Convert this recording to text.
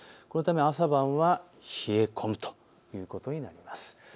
このため朝晩は冷え込むということになります。